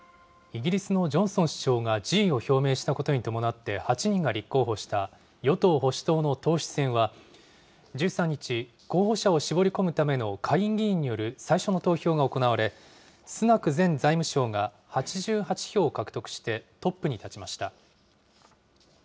イギリスのジョンソン首相が辞意を表明したことに伴って８人が立候補した与党・保守党の党首選は、１３日、候補者を絞り込むための下院議員による最初の投票が行われ、スナク前財務相が８８票を獲得してトップに立ちました。